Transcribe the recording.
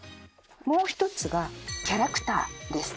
もう一つが「キャラクター」です。